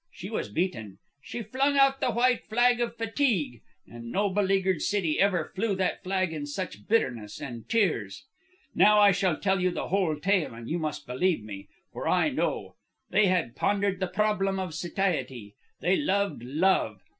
She was beaten. She flung out the white flag of fatigue. And no beleaguered city ever flew that flag in such bitterness and tears. "Now I shall tell you the whole tale, and you must believe me, for I know. They had pondered the problem of satiety. They loved Love.